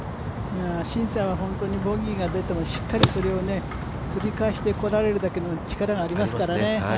シンさんはボギーが出てもしっかりそれを取り返してこられるだけの力がありますからね。